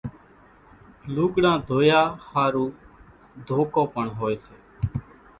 لُوڳڙان ڌويا ۿارُو ڌوڪو پڻ هوئيَ سي۔